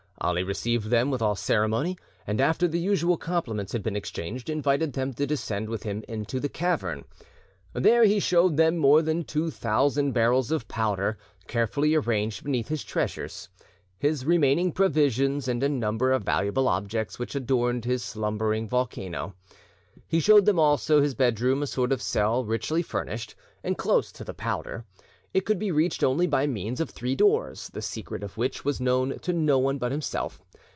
Ali received them with all ceremony, and, after the usual compliments had been exchanged, invited them to descend with him into the cavern. There he showed them more than two thousand barrels of powder carefully arranged beneath his treasures, his remaining provisions, and a number of valuable objects which adorned this slumbering volcano. He showed them also his bedroom, a sort of cell richly furnished, and close to the powder. It could be reached only by means of three doors, the secret of which was known to no one but himself.